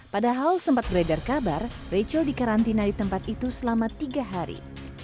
padahal sempat beredar kabar rachel dikarantina di tempat itu selama tiga hari